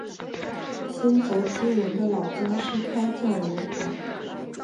新泽基荣的老家是开酱油行。